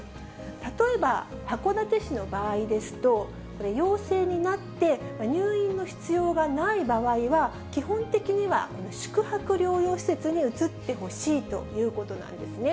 例えば函館市の場合ですと、これ、陽性になって、入院の必要がない場合は、基本的には宿泊療養施設に移ってほしいということなんですね。